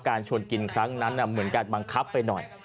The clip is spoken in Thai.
ชวนกินครั้งนั้นเหมือนการบังคับไปหน่อย